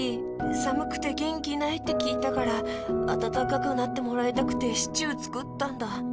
さむくてげんきないってきいたからあたたかくなってもらいたくてシチューつくったんだ。